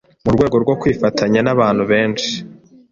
Mu rwego rwo kwifatanya n’abantu benshi